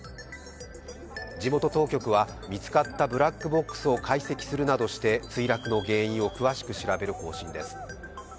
地元当局は見つかったブラックボックスを解析するなどして墜落の原因を詳しく調べる方針です。